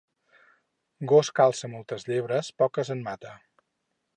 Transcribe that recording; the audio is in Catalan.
Gos que alça moltes llebres, poques en mata.